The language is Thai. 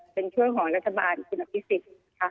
เป็นช่วงของรัฐบาลพิสิทธิ์